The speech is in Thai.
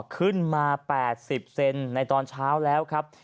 ขึ้นมา๘๐เซนในตอนเช้าแล้วครับ